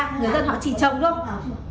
người dân họ chỉ trồng đúng không